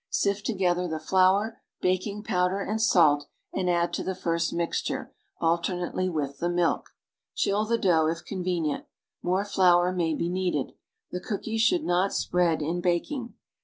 Sift together the flour, baking powder and salt and add to the first mix ture,, alternately, with the milk. Chill the dough if convenient. More flour may be needed. The cookies should not spread in baking.